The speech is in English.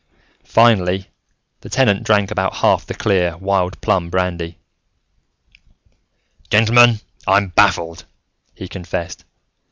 Finally, the Tenant drank about half the clear, wild plum brandy. "Gentlemen, I am baffled," he confessed.